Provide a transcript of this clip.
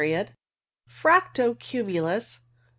Fracto cumulus.